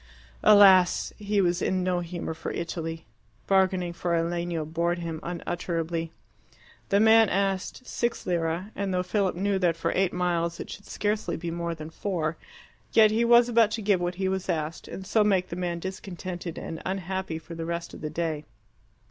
Alas! he was in no humour for Italy. Bargaining for a legno bored him unutterably. The man asked six lire; and though Philip knew that for eight miles it should scarcely be more than four, yet he was about to give what he was asked, and so make the man discontented and unhappy for the rest of the day.